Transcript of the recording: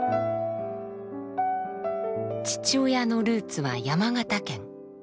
父親のルーツは山形県。